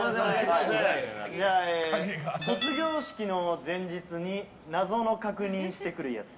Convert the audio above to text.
じゃあ、卒業式の前日に謎の確認してくるやつ。